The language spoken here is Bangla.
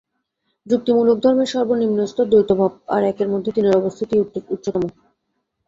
যুক্তিমূলক ধর্মের সর্বনিম্ন স্তর দ্বৈতভাব, আর একের মধ্যে তিনের অবস্থিতিই উচ্চতম।